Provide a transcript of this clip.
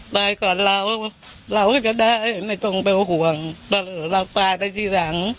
ตายก่อนเราเราก็จะได้ไม่ต้องไปห่วงรักตายได้ทีหลัง